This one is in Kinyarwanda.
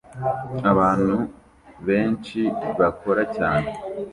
Abantu benshi bakora cyane